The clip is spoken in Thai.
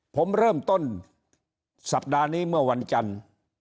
ผมเริ่มต้นสัปดาห์นี้เมื่อวันจันทร์